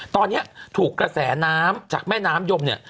ตอนนี้ถูกกระแสน้ำจากแม่น้ำยมเนี่ย